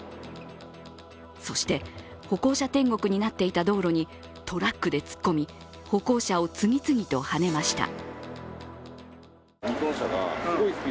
そして歩行者天国になっていた道路にトラックで突っ込み歩行者を次々とはねました。